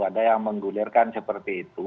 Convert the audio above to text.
ada yang menggulirkan seperti itu